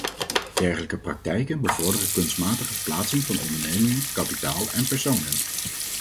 Dergelijke praktijken bevorderen kunstmatige verplaatsingen van ondernemingen, kapitaal en personen.